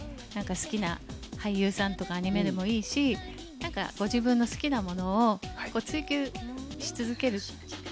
好きな俳優さんとかアニメでもいいし、ご自分の好きなものを追求し続ける。